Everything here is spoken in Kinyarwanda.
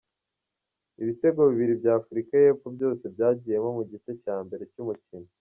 Ibitego bibiri bya Afurika y’Epfo byose byagiyemo mu gice cya mbere cy’umukino.